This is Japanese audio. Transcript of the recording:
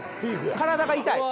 体が痛い。